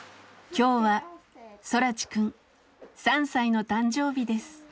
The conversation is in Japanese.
今日は空知くん３歳の誕生日です。